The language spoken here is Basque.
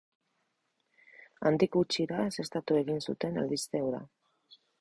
Handik gutxira ezeztatu egin zuten albiste hura.